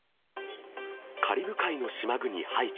カリブ海の島国、ハイチ。